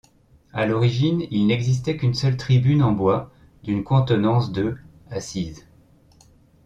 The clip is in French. À l'origine, il n'existait qu'une seule tribune en bois d'une contenance de assises.